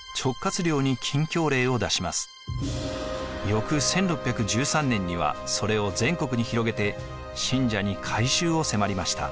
翌１６１３年にはそれを全国に広げて信者に改宗を迫りました。